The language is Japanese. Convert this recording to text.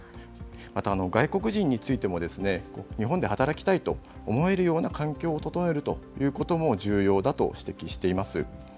また外国人についても、日本で働きたいと思えるような環境を整えるということも重要だと指摘しています。